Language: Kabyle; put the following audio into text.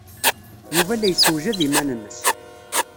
Yuba la yessewjad iman-nnes.